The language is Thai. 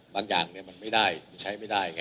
บางอย่างมันไม่ได้มันใช้ไม่ได้ไง